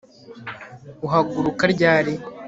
Uhaguruka ryari